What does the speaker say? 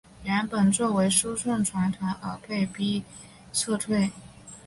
原本作为输送船团而被逼撤退。